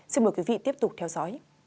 xin mời quý vị tiếp tục theo dõi